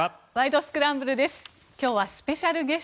スクランブル」です。